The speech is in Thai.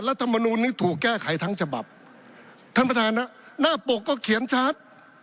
รัฐมนูลนี้ถูกแก้ไขทั้งฉบับท่านประธานนะหน้าปกก็เขียนชัด